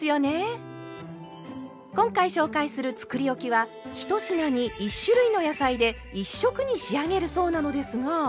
今回紹介するつくりおきは１品に１種類の野菜で１色に仕上げるそうなのですが。